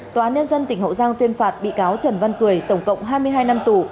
tòa án nhân dân tỉnh hậu giang tuyên phạt bị cáo trần văn cười tổng cộng hai mươi hai năm tù